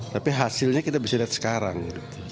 tapi hasilnya kita bisa lihat sekarang